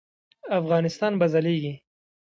افغانستان به ځلیږي